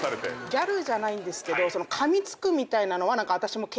ギャルじゃないんですけどかみつくみたいなのは私も経験あって。